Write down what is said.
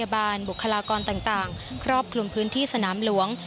บานบุคลากรต่างครอบคลุมพื้นที่สนามหลวง